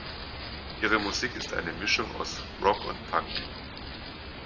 Ihre Musik ist eine Mischung aus Rock und Punk.